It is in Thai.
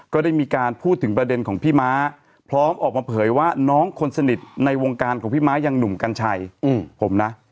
ก็ได้มีการพูดถึงประเด็นของพี่ม้าพร้อมออกมาเผยว่าน้องคนสนิทในวงการของพี่ม้ายังหนุ่มกัญชัยผมนะ